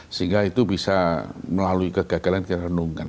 sehingga itu bisa melalui kegagalan kita renungkan